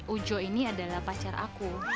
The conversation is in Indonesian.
ujo ini adalah pacar aku